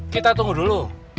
kita tunggu dulu